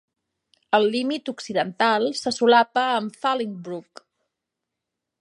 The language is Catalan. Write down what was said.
El límit occidental se solapa amb Fallingbrook.